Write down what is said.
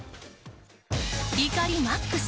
怒りマックス